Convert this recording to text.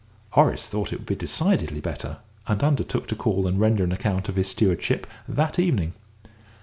Horace thought it would be decidedly better, and undertook to call and render an account of his stewardship that evening.